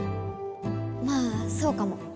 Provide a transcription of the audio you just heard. まあそうかも。